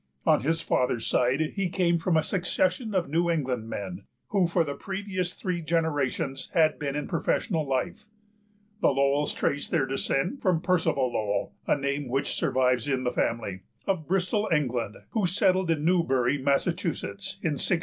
On his father's side he came from a succession of New England men who for the previous three generations had been in professional life. The Lowells traced their descent from Percival Lowell, a name which survives in the family, of Bristol, England, who settled in Newbury, Massachusetts, in 1639.